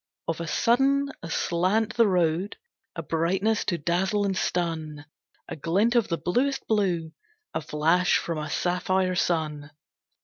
Of a sudden, aslant the road, A brightness to dazzle and stun, A glint of the bluest blue, A flash from a sapphire sun.